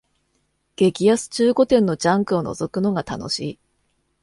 激安中古店のジャンクをのぞくのが楽しい